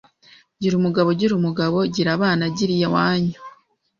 gira umugabo, gira umugabo, gira abana, gira iwanyu,